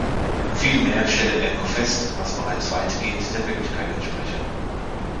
Vielmehr stelle er nur fest, was bereits weitgehend der Wirklichkeit entspreche.